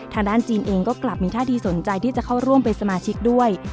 จีนเองก็กลับมีท่าทีสนใจที่จะเข้าร่วมเป็นสมาชิกด้วย